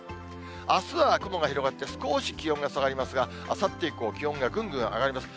あすは雲が広がって、少し気温が下がりますが、あさって以降、気温がぐんぐん上がります。